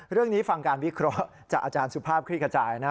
เรื่องนี้ฟังการวิเคราะห์จากอาจารย์สุภาพคลี่ขจายนะ